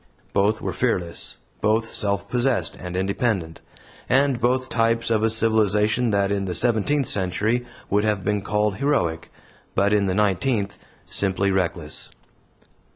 Both were fearless, both self possessed and independent; and both types of a civilization that in the seventeenth century would have been called heroic, but, in the nineteenth, simply "reckless."